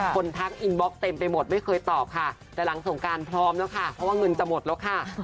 ทักอินบล็อกเต็มไปหมดไม่เคยตอบค่ะแต่หลังสงการพร้อมแล้วค่ะเพราะว่าเงินจะหมดแล้วค่ะ